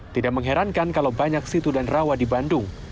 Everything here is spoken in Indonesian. tidak mengherankan kalau banyak situ dan rawa di bandung